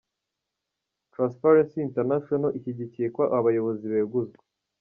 Transparency International ishyigikiye ko abayobozi beguzwa.